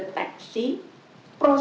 saya bisa keluar